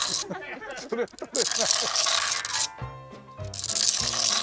それはとれない。